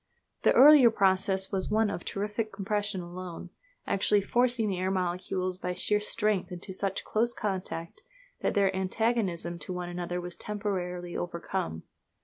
The earlier process was one of terrific compression alone, actually forcing the air molecules by sheer strength into such close contact that their antagonism to one another was temporarily overcome.